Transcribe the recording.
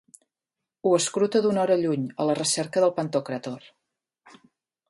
Ho escruta d'una hora lluny, a la recerca del Pantòcrator.